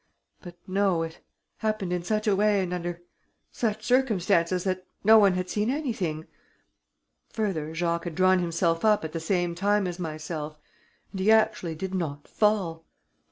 But no. It happened in such a way and under such conditions that no one had seen anything. Further, Jacques had drawn himself up at the same time as myself; and he actually did not fall.